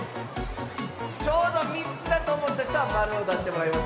ちょうど３つだとおもったひとは○をだしてもらいます。